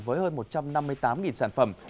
với hơn một trăm năm mươi tám sản phẩm